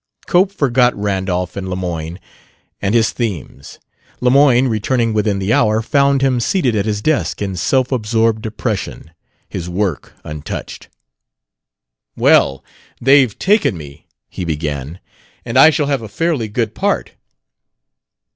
Cope forgot Randolph, and Lemoyne, and his themes. Lemoyne, returning within the hour, found him seated at his desk in self absorbed depression, his work untouched. "Well, they've taken me," he began; "and I shall have a fairly good part."